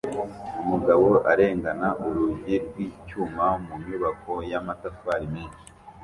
Umugabo arengana urugi rw'icyuma mu nyubako y'amatafari menshi